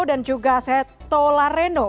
dan juga seto larendo